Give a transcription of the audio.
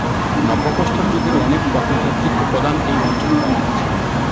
নব্যপ্রস্তর যুগের অনেক প্রত্নতাত্ত্বিক উপাদান এই অঞ্চলে পাওয়া গেছে।